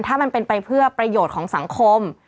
ถ้ามันเป็นไปเพื่อประโยชน์ของสังคม